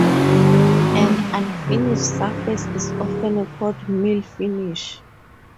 An unfinished surface is often called "mill finish".